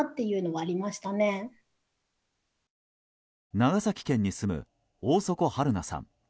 長崎県に住む大底春菜さん。